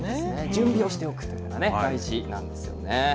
準備をしておくっていうのも大事なんですよね。